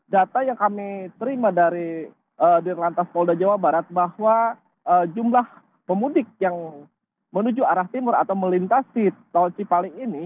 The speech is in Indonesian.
data yang kami terima dari dirlantas polda jawa barat bahwa jumlah pemudik yang menuju arah timur atau melintasi tol cipalik ini